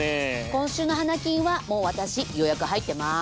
今週の花金はもう私予約入ってます。